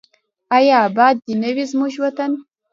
آیا اباد دې نه وي زموږ وطن؟